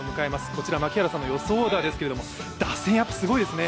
こちら、槙原さんの予想オーダーですけれども打線、やっぱすごいですね。